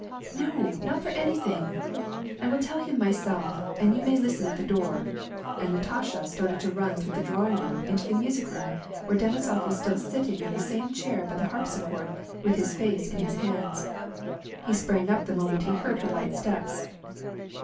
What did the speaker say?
" No, not for anything ; I will tell him myself, and you may listen at the door," and Natasha started to run through the drawing room into the music room where Denisof was still sit ting on the same chair by the harpsichord with his face in his hands. He sprang up the moment he heard her light steps.